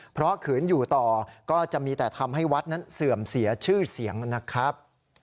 เพราะขืนอยู่ต่อก็จะมีแต่ทำให้วัดนั้นเสื่อมเสียชื่อเสียงนะครับ